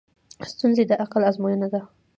ستونزې د عقل ازموینه ده.